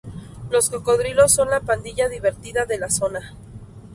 Los Cocodrilos son la pandilla divertida de la zona.